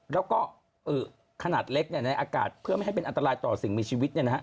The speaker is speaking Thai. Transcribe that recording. แล้วก็ขนาดเล็กในอากาศเพื่อไม่ให้เป็นอันตรายต่อสิ่งมีชีวิต